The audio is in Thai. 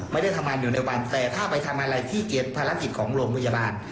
ไม่ได้ทำงานอยู่ในวันแต่ถ้าไปทำอะไรที่เก็บภารกิจของโรงพยาบาล